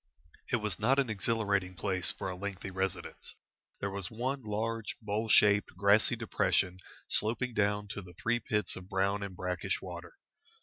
It was not an exhilarating place for a lengthy residence. There was one large, bowl shaped, grassy depression sloping down to the three pits of brown and brackish water.